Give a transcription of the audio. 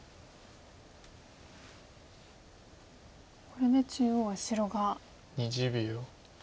これで中央は白が。